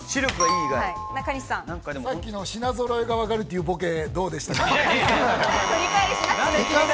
さっきの品ぞろえが分かるというボケ、いかがでしたか。